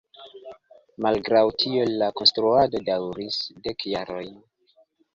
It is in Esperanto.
Malgraŭ tio la konstruado daŭris dek jarojn.